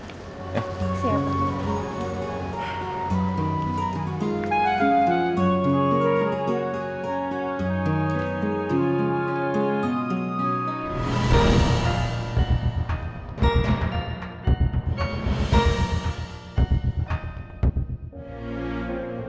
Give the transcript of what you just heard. terima kasih mbak